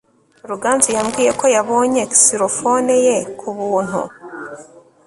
ruganzu yambwiye ko yabonye xylophone ye ku buntu